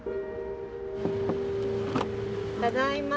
ただいま。